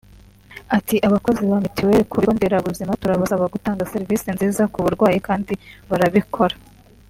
Ati “Abakozi ba mituweli ku bigo nderabuzima turabasaba gutanga serivisi nziza ku barwayi kandi barabikora